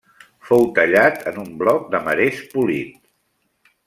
Fou tallat en un bloc de marès polit.